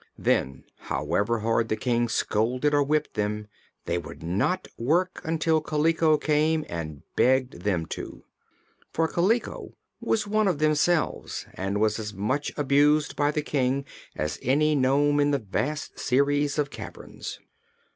Then, however hard the King scolded or whipped them, they would not work until Kaliko came and begged them to. For Kaliko was one of themselves and was as much abused by the King as any nome in the vast series of caverns.